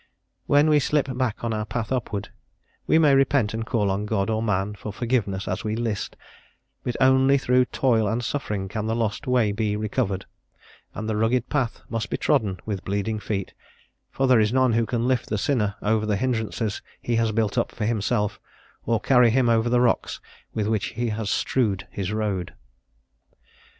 When we slip back on our path upward, we may repent and call on God or man for forgiveness as we list, but only through toil and suffering can the lost way be recovered, and the rugged path must be trodden with bleeding feet; for there is none who can lift the sinner over the hindrances he has built up for himself, or carry him over the rocks with which he has strewed his road.